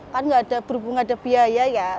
karena tidak ada biaya